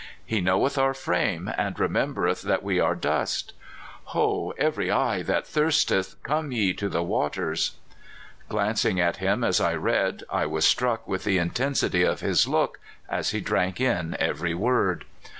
"He know^eth our frame, and remembereth that we are dust." *' Ho, every one that thirsteth, come ye to the waters." Glancing at him as I read, I was struck with the intensity of his look as he drank in every word.